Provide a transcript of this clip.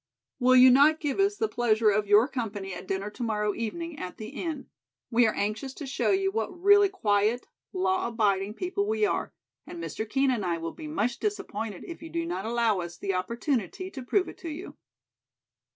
"'Will you not give us the pleasure of your company at dinner to morrow evening at the Inn? We are anxious to show you what really quiet, law abiding people we are, and Mr. Kean and I will be much disappointed if you do not allow us the opportunity to prove it to you.'"